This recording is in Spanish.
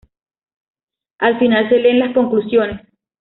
Al final se leen las conclusiones.